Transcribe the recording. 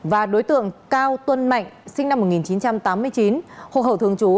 và đối tượng cao tuân mạnh sinh năm một nghìn chín trăm tám mươi chín hồ khẩu thương chú